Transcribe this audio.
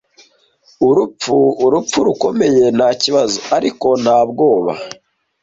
urupfu urupfu rukomeye nta kibazo ariko nta bwoba